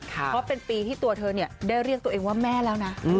เพราะเป็นปีที่ตัวเธอได้เรียกตัวเองว่าแม่แล้วนะ